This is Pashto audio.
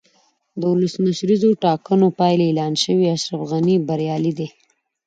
د ولسمشریزو ټاکنو پایلې اعلان شوې، اشرف غني بریالی دی.